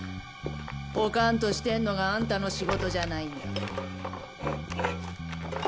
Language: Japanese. ポカンとしてんのがあんたの仕事じゃないんだ。